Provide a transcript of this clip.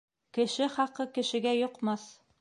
Кеше хаҡы кешегә йоҡмаҫ.